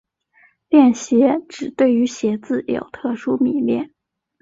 恋鞋指对于鞋子有特殊迷恋。